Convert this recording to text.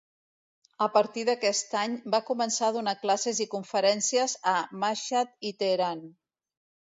A partir d'aquest any va començar a donar classes i conferències a Mashhad i Teheran.